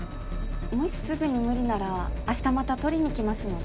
もしすぐに無理ならあしたまた取りに来ますので。